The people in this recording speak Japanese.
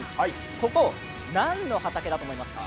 ここ、何の畑だと思いますか？